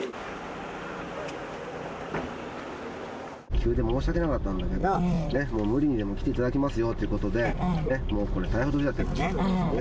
急で申し訳なかったんだけど、もう無理にでも来ていただきますよということで、もうこれ、逮捕状が出ちゃってるから。